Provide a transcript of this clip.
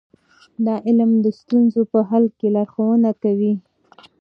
دا علم د ستونزو په حل کې لارښوونه کوي.